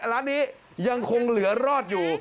ร้านนี้ยังคงเหลือรอดอยู่